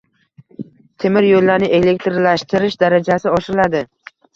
Temir yo‘llarni elektrlashtirish darajasi oshiriladi.